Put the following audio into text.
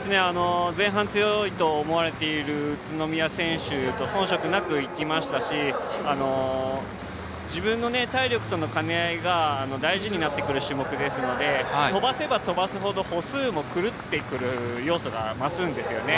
前半、強いと思われている宇都宮選手と遜色なくいきましたし自分の体力との兼ね合いが大事になってくる種目ですので飛ばせば飛ばすほど歩数も狂ってくる要素が増すんですよね。